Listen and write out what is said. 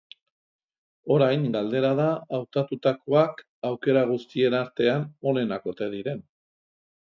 Orain galdera da hautatutakoak aukera guztien artean onenak ote diren?